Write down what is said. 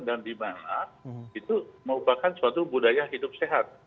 dan di mana itu mengupakan suatu budaya hidup sehat